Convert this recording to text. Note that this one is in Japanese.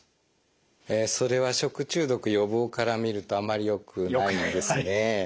それは食中毒予防から見るとあまりよくないですね。